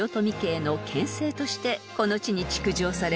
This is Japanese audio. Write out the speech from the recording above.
［としてこの地に築城されました］